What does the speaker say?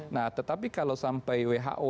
nah tetapi kalau sampai who